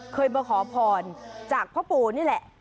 เคยมาขอพรจากพ่อปู่นี่แหละ